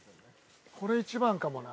これ一番かもな。